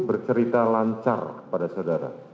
bercerita lancar pada saudara